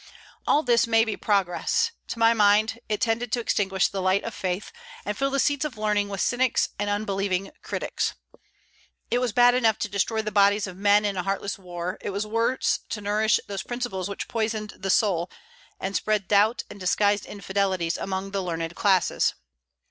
All this may be progress; but to my mind it tended to extinguish the light of faith, and fill the seats of learning with cynics and unbelieving critics. It was bad enough to destroy the bodies of men in a heartless war; it was worse to nourish those principles which poisoned the soul, and spread doubt and disguised infidelities among the learned classes.